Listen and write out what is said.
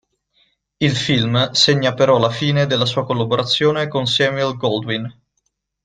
Il film segna però la fine della sua collaborazione con Samuel Goldwyn.